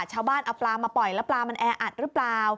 ชาวบ้านเอาปลามาปล่อยแล้วปลามันแออัดหรือเปล่า